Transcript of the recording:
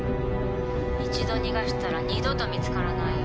一度逃がしたら二度と見つからないよ